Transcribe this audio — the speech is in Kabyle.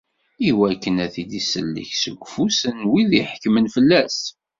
Iwakken ad t-id-isellek seg ufus n wid iḥekmen fell-as.